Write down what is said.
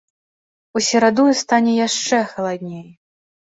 У сераду стане яшчэ халадней.